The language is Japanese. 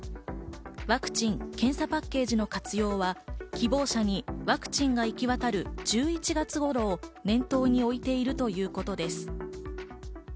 ワクチン・検査パッケージの活用は希望者にワクチンが行き渡る１１月頃を念頭に置いているということです。